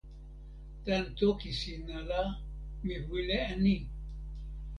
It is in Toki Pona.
tan toki sina la, mi wile e ni: